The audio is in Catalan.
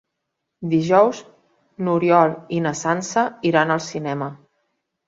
Dijous n'Oriol i na Sança iran al cinema.